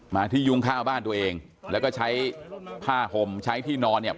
มาที่ยุงข้าวบ้านตัวเองแล้วก็ใช้ผ้าห่มใช้ที่นอนเนี่ย